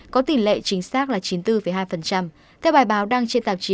có tỷ lệ chính xác là chín mươi bốn hai theo bài báo đăng trên tạp chí